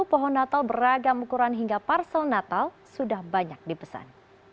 pohon natal beragam ukuran hingga parsel natal sudah banyak dipesan